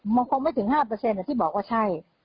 มันคงไม่ถึง๕ที่บอกว่าใช่